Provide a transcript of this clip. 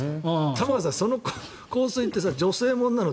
玉川さん、その香水って女性物なの？